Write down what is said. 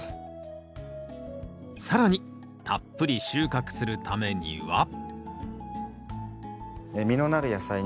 更にたっぷり収穫するためには実のなる野菜にはですね